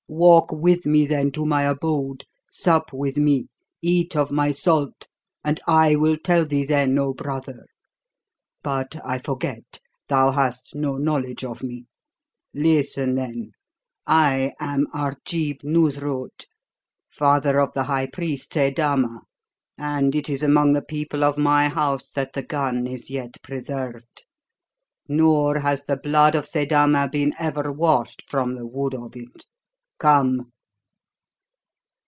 "Walk with me, then, to my abode, sup with me, eat of my salt, and I will tell thee then, oh, brother. But I forget: thou hast no knowledge of me. Listen, then. I am Arjeeb Noosrut, father of the High Priest Seydama, and it is among the people of my house that the gun is yet preserved. Nor has the blood of Seydama been ever washed from the wood of it. Come."